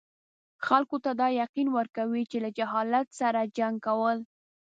خلکو ته دا تلقین ورکوي چې له جهالت سره جنګ کول.